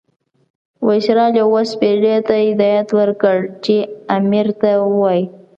وایسرا لیویس پیلي ته هدایت ورکړ چې امیر ته ووایي.